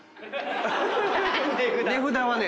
値札はね